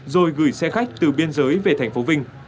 rồi gửi xe khách từ biên giới về thành phố vinh